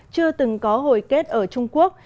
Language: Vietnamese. chưa từng có hồi kết ở trung quốc